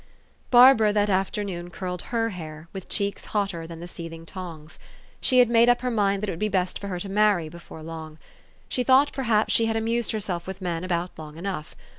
Barbara that afternoon curled her hair, with cheeks hotter than the seething tongs. She had made up her mind that it would be best for her to marry be fore long. She thought, perhaps, she had amused herself with men about long enough.